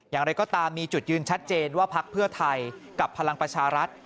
อย่างไรก็ตามมีจุดยืนชัดเจนว่าพักเพื่อไทยกับพลังประชารัฐ